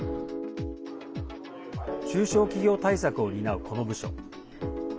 中小企業対策を担う、この部署。